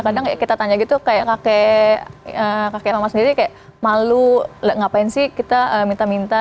kadang kita tanya gitu kayak kakek kakek mama sendiri kayak malu ngapain sih kita minta minta